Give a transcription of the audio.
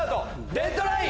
デッドライン！